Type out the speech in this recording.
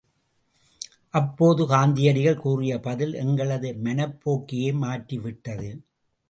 அப்போது காந்தியடிகள் கூறிய பதில் எங்களது மனப்போக்கையே மாற்றி விட்டது.